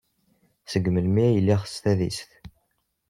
Seg melmi ay lliɣ s tadist?